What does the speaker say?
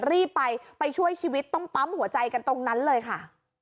รีบไปไปช่วยชีวิตต้องปั๊มหัวใจกันตรงนั้นเลยค่ะ